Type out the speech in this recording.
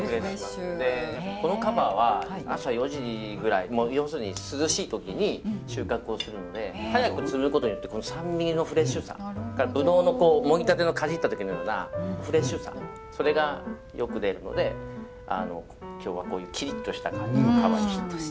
このカヴァは朝４時ぐらい要するに涼しい時に収穫をするので早く摘むことによってこの酸味のフレッシュさぶどうのもぎたてのかじった時のようなフレッシュさそれがよく出るので今日はこういうキリッとした感じのカヴァにしました。